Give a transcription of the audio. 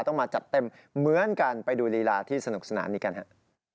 ต้องมาจัดเต็มเหมือนกันไปดูลีลาที่สนุกสนานนี้กันฮะ